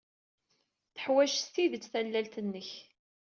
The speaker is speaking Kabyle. Teḥwaj s tidet tallalt-nnek.